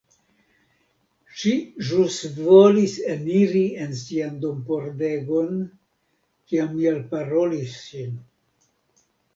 Ŝi ĵus volis eniri en sian dompordegon, kiam mi alparolis ŝin!